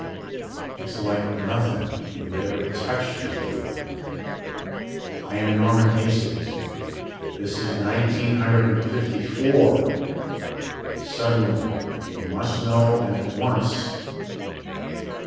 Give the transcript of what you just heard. It's like nothing you've ever touched before. I am Norman Hastings. This is nineteen hundred and fifty four. Suddenly you must know, and at once.